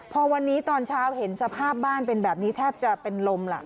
พอวันนี้ตอนเช้าเห็นสภาพบ้านเป็นแบบนี้แทบจะเป็นลมล่ะ